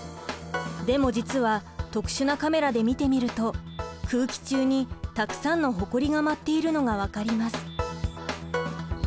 でも実は特殊なカメラで見てみると空気中にたくさんのほこりが舞っているのが分かります。